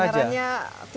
ya kebenarannya tidak terlalu